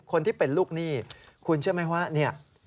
คนที่เป็นลูกหนี้คุณเชื่อไหมว่าเนี่ย